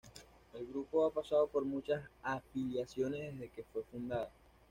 El grupo ha pasado por muchas afiliaciones desde que fue fundada.